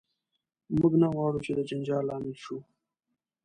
موږ نه غواړو چې د جنجال لامل شو.